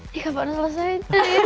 ini kapan selesain